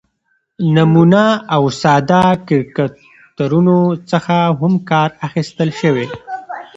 ،نمونه او ساده کرکترونو څخه هم کار اخستل شوى